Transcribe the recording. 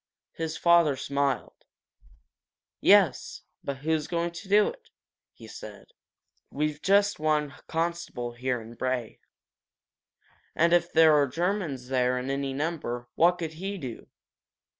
His father smiled. "Yes, but who's going to do it?" he said. "We've just one constable here in Bray. And if there are Germans there in any number, what could he do?